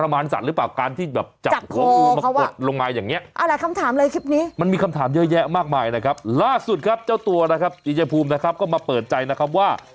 มันจะเป็นการทรมานสัตว์หรือเปล่า